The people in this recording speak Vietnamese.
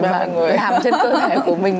mà người làm trên cơ thể của mình